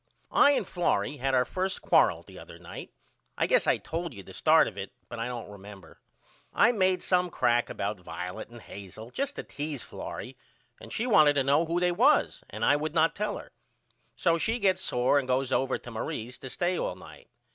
I and Florrie had our first quarrle the other night. I guess I told you the start of it but I don't remember. I made some crack about Violet and Hazel just to tease Florrie and she wanted to know who they was and I would not tell her. So she gets sore and goes over to Marie's to stay all night.